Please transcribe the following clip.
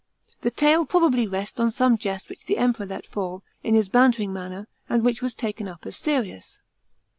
f The tale probably rests on some jest which the Emperor let fall, in his bantering manner, ai'd which was taken up as serious.